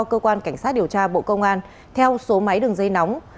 cơ quan cảnh sát điều tra bộ công an theo số máy đường dây nóng